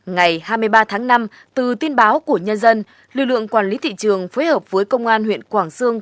ngày hai mươi ba tháng năm từ tin báo của nhân dân lực lượng quản lý thị trường phối hợp với công an huyện quảng sương